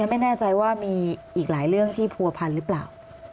ไม่แน่ใจว่ามีอีกหลายเรื่องที่ผัวพันหรือเปล่า